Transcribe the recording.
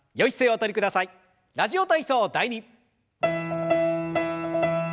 「ラジオ体操第２」。